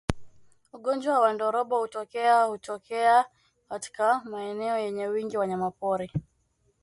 Ugonjwa wa ndorobo hutokea hutokea katika maeneo yenye wingi wa wanyamapori